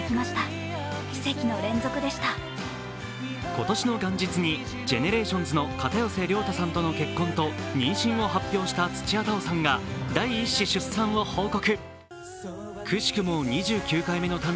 今年の元日にＧＥＮＥＲＡＴＩＯＮＳの片寄涼太さんとの結婚と妊娠を発表した土屋太鳳さんが第１子出産を報告。